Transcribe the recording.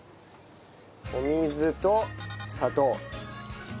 お水と砂糖。